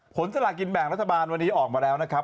สลากินแบ่งรัฐบาลวันนี้ออกมาแล้วนะครับ